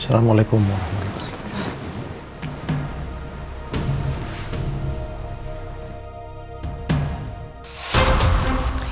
assalamualaikum warahmatullahi wabarakatuh